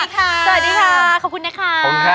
สวัสดีค่ะขอบคุณนะคะ